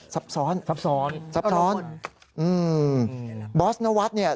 ซับซ้อนซับซ้อนซับซ้อนอืมบอสนวัฒน์เนี่ย